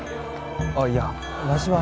あっいやわしは。